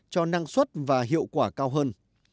cho năng suất và hiệu quả cao hơn